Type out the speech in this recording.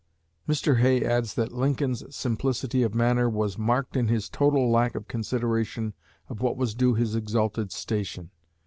'" Mr. Hay adds that Lincoln's simplicity of manner "was marked in his total lack of consideration of what was due his exalted station.